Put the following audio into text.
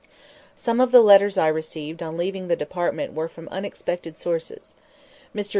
Some of the letters I received on leaving the Department were from unexpected sources. Mr.